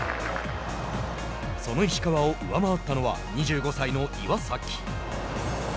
その石川を上回ったのは２５歳の岩崎。